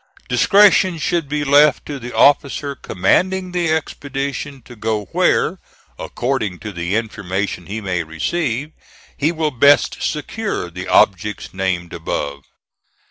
Discretion should be left to the officer commanding the expedition to go where, according to the information he may receive, he will best secure the objects named above.